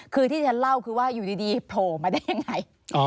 คือที่ฉันเล่าคือว่าอยู่ดีโผล่มาได้ยังไง